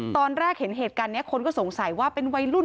ตอนแรกเห็นเหตุการณ์นี้คนก็สงสัยว่าเป็นวัยรุ่น